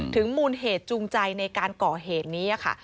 มูลเหตุจูงใจในการก่อเหตุนี้ค่ะ